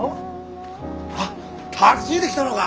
あっタクシーで来たのが。